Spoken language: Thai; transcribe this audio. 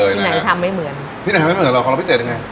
ที่ไหนทำไม่เหมือนที่ไหนทำไม่เหมือนเราของเราพิเศษยังไง